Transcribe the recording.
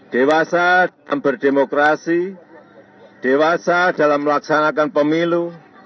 dewasa dalam berdemokrasi dewasa dalam melaksanakan pemilu